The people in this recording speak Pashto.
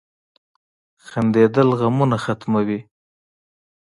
• خندېدل غمونه ختموي.